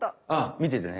見ててね。